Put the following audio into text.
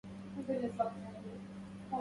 ظبيك يا ذا حسن وجهه